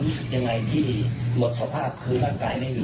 กุฏิเสร็จแล้วเขาก็ออกกลับไปนอนกุฏิเขาแล้ว